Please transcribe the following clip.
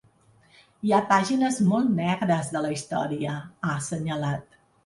Hi ha pàgines molt negres de la història, ha assenyalat.